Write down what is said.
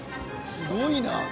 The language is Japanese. すごいな！